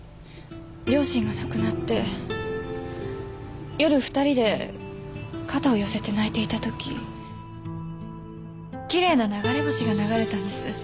両親が亡くなって夜２人で肩を寄せて泣いていたとき奇麗な流れ星が流れたんです。